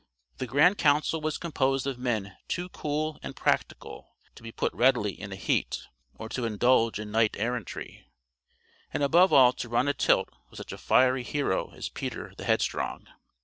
The grand council was composed of men too cool and practical to be put readily in a heat, or to indulge in knight errantry, and above all to run a tilt with such a fiery hero as Peter the Headstrong.